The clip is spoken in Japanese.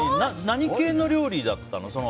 何系の料理だったの？